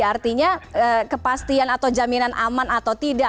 artinya kepastian atau jaminan aman atau tidak